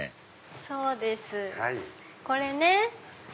そうですこれね。